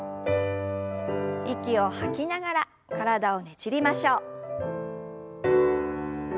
息を吐きながら体をねじりましょう。